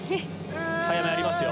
早めありますよ。